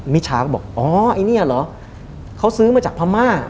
มิชาก็บอกอ๋อไอ้เนี่ยเหรอเขาซื้อมาจากพม่า